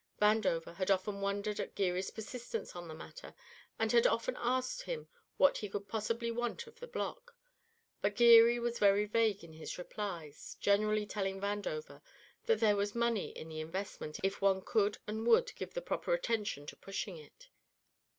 Vandover had often wondered at Geary's persistence in the matter, and had often asked him what he could possibly want of the block. But Geary was very vague in his replies, generally telling Vandover that there was money in the investment if one could and would give the proper attention to pushing it.